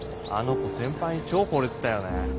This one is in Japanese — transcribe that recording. あの子先輩に超ほれてたよね。